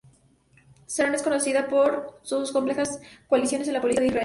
Sharon es conocido por sus complejas coaliciones en la política de Israel.